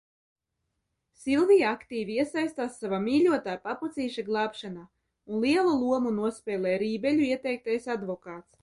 Silvija aktīvi iesaistās sava mīļotā papucīša glābšanā, un lielu lomu nospēlē Rībeļu ieteiktais advokāts.